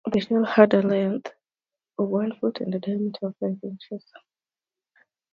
The shell had a length of one foot and a diameter of five inches.